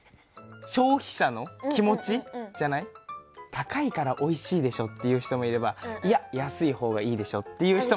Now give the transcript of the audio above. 高いからおいしいでしょって言う人もいればいや安い方がいいでしょって言う人もいるわけ。